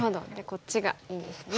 こっちがいいんですね。